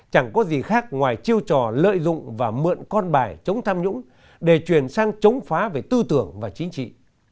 chẳng có gì khác ngoài chiêu trò lợi dụng và mượn con bài chống tham nhũng để truyền sang chống phá về tư tưởng và chính trị